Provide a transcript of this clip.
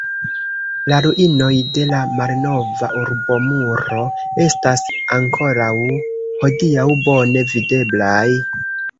La ruinoj de la malnova urbomuro estas ankoraŭ hodiaŭ bone videblaj.